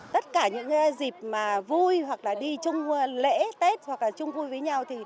tất cả những dịp vui hoặc đi chung lễ tết hoặc chung vui với nhau